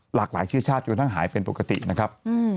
หลายชื่อชาติจนทั้งหายเป็นปกตินะครับ